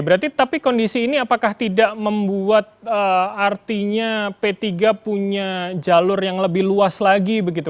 berarti tapi kondisi ini apakah tidak membuat artinya p tiga punya jalur yang lebih luas lagi begitu